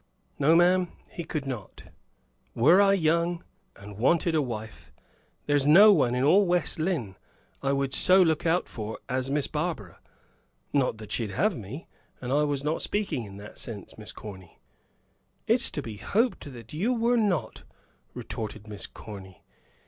"No, ma'am, he could not. Were I young, and wanted a wife, there's no one in all West Lynne I would so soon look out for as Miss Barbara. Not that she'd have me; and I was not speaking in that sense, Miss Corny." "It's to be hoped you were not," retorted Miss Corny.